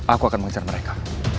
aku akan mengincar mereka